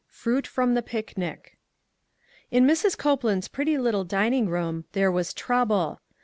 FRUIT FKOM THE PICNIC. IN Mrs. Copeland's pretty little dining room there was trouble.